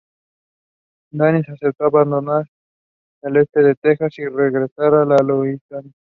Denis aceptó abandonar el este de Texas y regresar a la Luisiana.